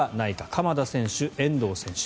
鎌田選手、遠藤選手